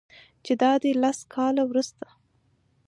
چې دادی لس کاله وروسته